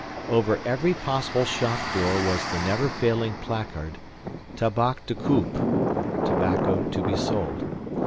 Over every possible shop door was the never failing placard, TABAK TE KOOP (tobacco to be sold).